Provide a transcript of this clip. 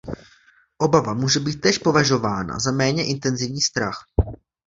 Obava může být též považována za méně intenzivní strach.